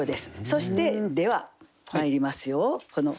そしてではまいりますよ。